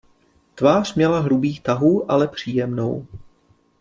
Tvář měla hrubých tahů, ale příjemnou.